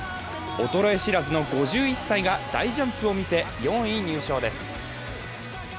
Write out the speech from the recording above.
衰え知らずの５１歳が大ジャンプを見せ、４位入賞です。